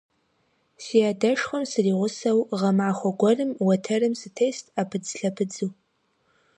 Си адэшхуэм сригъусэу, гъэмахуэ гуэрым уэтэрым сытест Ӏэпыдзлъэпыдзу.